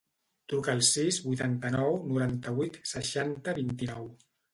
Truca al sis, vuitanta-nou, noranta-vuit, seixanta, vint-i-nou.